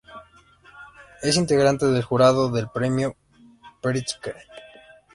Es integrante del jurado del premio Pritzker.